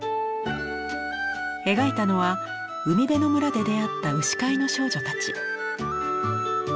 描いたのは海辺の村で出会った牛飼いの少女たち。